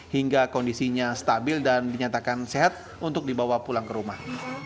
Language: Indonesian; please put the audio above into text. hingga kondisinya stabil dan dinyatakan sehat untuk dibawa pulang ke rumah